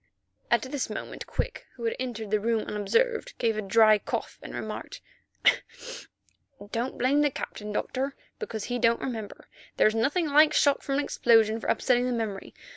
At this moment, Quick, who had entered the room unobserved, gave a dry cough, and remarked: "Don't blame the Captain, Doctor, because he don't remember. There's nothing like shock from an explosion for upsetting the memory.